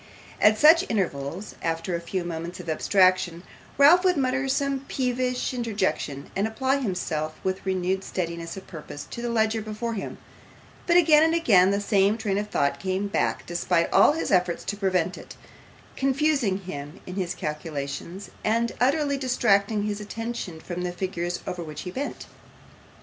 At such intervals, after a few moments of abstraction, Ralph would mutter some peevish interjection, and apply himself with renewed steadiness of purpose to the ledger before him, but again and again the same train of thought came back despite all his efforts to prevent it, confusing him in his calculations, and utterly distracting his attention from the figures over which he bent.